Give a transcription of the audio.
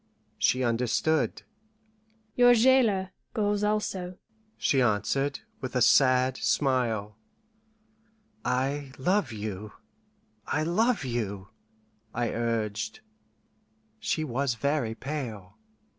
She understood. "Your jailer goes also," she answered, with a sad smile. "I love you! I love you!" I urged. She was very pale.